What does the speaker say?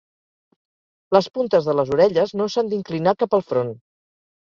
Les puntes de les orelles no s'han d'inclinar cap al front.